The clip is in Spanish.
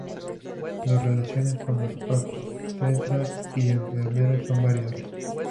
Las relaciones con los obstetras y enfermeros son variables.